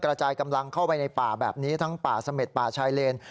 กระจายกำลังเข้าไปในป่าแบบนี้ทั้งป่าเสม็ดป่าชายเลน